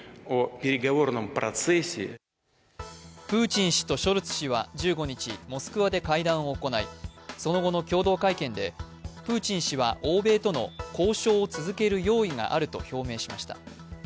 プーチン氏とショルツ氏は１５日モスクワで会談を行い、その後の共同会見でプーチン氏は欧米との交渉を続ける用意があると表明しました。